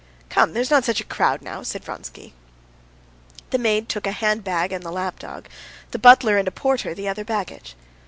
"Come; there's not such a crowd now," said Vronsky. The maid took a handbag and the lap dog, the butler and a porter the other baggage.